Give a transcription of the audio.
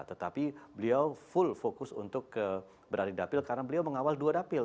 tetapi beliau full fokus untuk berada di dapil karena beliau mengawal dua dapil